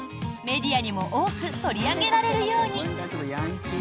メディアにも多く取り上げられるように。